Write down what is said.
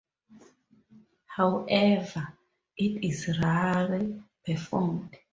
However, it is rarely performed.